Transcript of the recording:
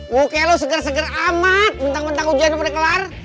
muka lo seger seger amat bentang bentang ujian lo pernah kelar